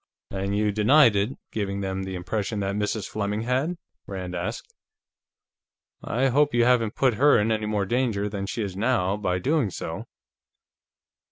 "And you denied it, giving them the impression that Mrs. Fleming had?" Rand asked. "I hope you haven't put her in any more danger than she is now, by doing so."